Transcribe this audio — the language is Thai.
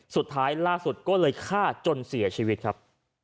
สุดท้ายล่าสุดก็เลยฆ่าจนเสียชีวิตครับ